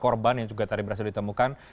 korban yang juga tadi berhasil ditemukan